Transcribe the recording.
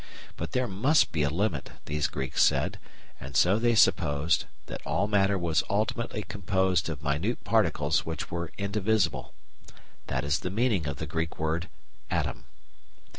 But there must be a limit, these Greeks said, and so they supposed that all matter was ultimately composed of minute particles which were indivisible. That is the meaning of the Greek word "atom."